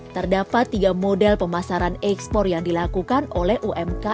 terdapat tiga model pemasaran ekspor yang dilakukan oleh umkm